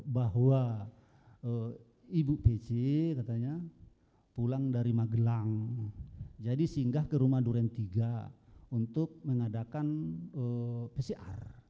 bahwa ibu pc katanya pulang dari magelang jadi singgah ke rumah duren tiga untuk mengadakan pcr